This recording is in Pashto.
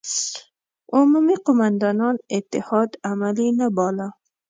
عمومي قوماندان اتحاد عملي نه باله.